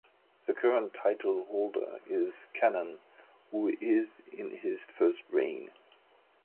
The current title holder is Kanon who is in his first reign.